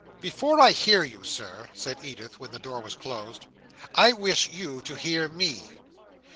"Before I hear you, Sir," said Edith, when the door was closed, "I wish you to hear me."